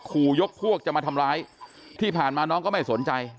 ขู่ยกพวกจะมาทำร้ายที่ผ่านมาน้องก็ไม่สนใจ